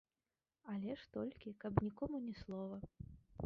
Але ж толькі, каб нікому ні слова.